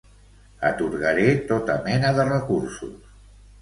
Atorgaré tota mena de recursos.